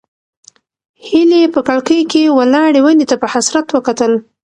هیلې په کړکۍ کې ولاړې ونې ته په حسرت وکتل.